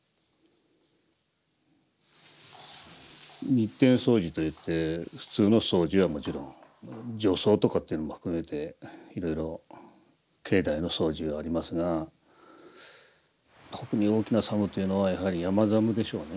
日天掃除といって普通の掃除はもちろん除草とかっていうのも含めていろいろ境内の掃除はありますが特に大きな作務というのはやはり山作務でしょうね。